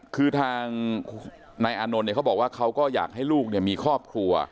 คือทางนายอานนท์เนี่ยเขาบอกว่าเขาก็อยากให้ลูกมีครอบครัว